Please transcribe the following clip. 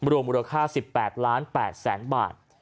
รวมมูลค่า๑๘๘๐๐๐๐๐บาท